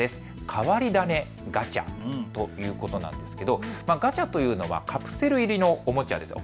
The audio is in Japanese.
変わり種ガチャということなんですけどガチャというのはカプセル入りのおもちゃです。